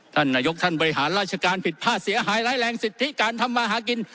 ท่านนายกท่านบริหารราชการผิดพลาดเสียหายร้ายแรงสิทธิการทำมาหากิน